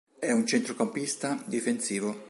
È un centrocampista difensivo.